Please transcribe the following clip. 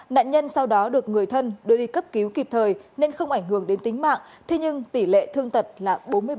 nạn nhân sau đó được người thân đưa đi cấp cứu kịp thời nên không ảnh hưởng đến tính mạng thế nhưng tỷ lệ thương tật là bốn mươi bảy